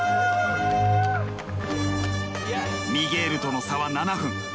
ミゲールとの差は７分。